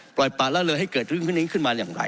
ปล่อยปล่าเล่าเลือดให้เกิดเรื่องนี้ขึ้นมาอย่างไร